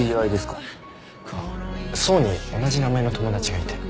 想に同じ名前の友達がいて。